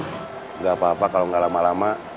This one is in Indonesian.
enggak apa apa kalau enggak lama lama